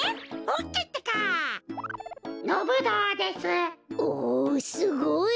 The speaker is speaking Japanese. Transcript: おおすごい。